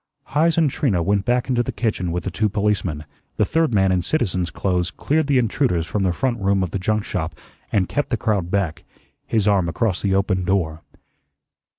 Heise and Trina went back into the kitchen with the two policemen, the third man in citizen's clothes cleared the intruders from the front room of the junk shop and kept the crowd back, his arm across the open door.